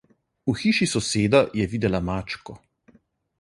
V hiši soseda je videla mačko.